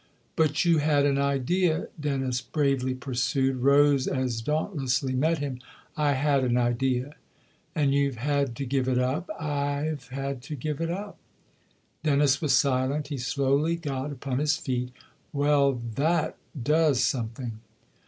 " But you had an idea ?" Dennis bravely pursued. Rose as dauntlessly met him. " I had an idea." " And you've had to give it up ?"" I've had to give it up." Dennis was silent ; he slowly got upon his feet. " Well, that does something."